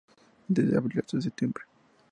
Desde abril hasta septiembre, fr.